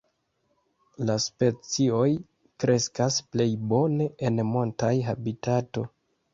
La specioj kreskas plej bone en montaj habitato.